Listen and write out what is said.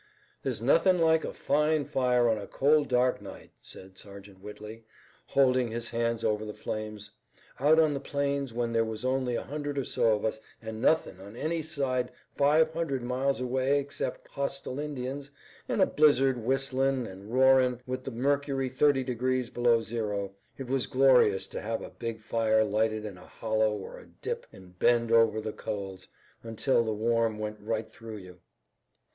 "There's nothing like a fine fire on a cold, dark night," said Sergeant Whitley, holding his hands over the flames. "Out on the plains when there was only a hundred or so of us, an' nothin' on any side five hundred miles away 'xcept hostile Indians, an' a blizzard whistlin' an' roarin', with the mercury thirty degrees below zero, it was glorious to have a big fire lighted in a hollow or a dip an' bend over the coals, until the warmth went right through you."